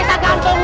kita gantung dia